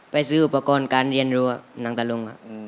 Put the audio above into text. ซื้ออุปกรณ์การเรียนรั้วหนังตะลุง